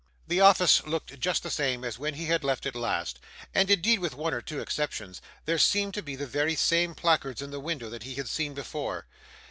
The office looked just the same as when he had left it last, and, indeed, with one or two exceptions, there seemed to be the very same placards in the window that he had seen before.